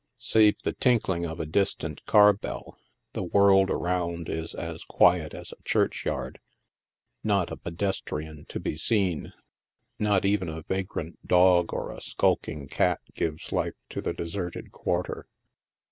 Save the tinkling of a distant car bell, the world around is as quiet as a church yard ; not a pedestrian to be seen, not a even vagrant dog or a skulking cat gives life to the deserted quarter.